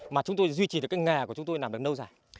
mà chúng tôi duy trì được cái nghề của chúng tôi làm được lâu dài